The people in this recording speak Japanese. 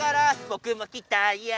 「ぼくもきたよ」